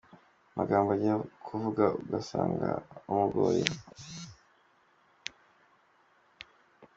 Amagambo ajya kuvugaUgasanga amugoye.